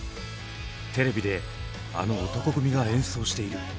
テレビであの男闘呼組が演奏している。